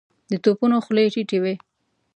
د توپونو خولې ټيټې وې.